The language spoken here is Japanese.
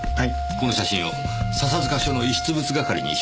この写真を笹塚署の遺失物係に照会してください。